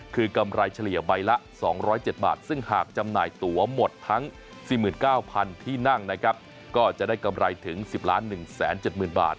คือกำไรเฉลี่ยใบละ๒๐๗บาทซึ่งหากจำหน่ายตัวหมดทั้ง๔๙๐๐ที่นั่งนะครับก็จะได้กำไรถึง๑๐๑๗๐๐บาท